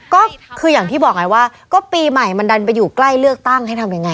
ก็คืออย่างที่บอกไงว่าก็ปีใหม่มันดันไปอยู่ใกล้เลือกตั้งให้ทำยังไง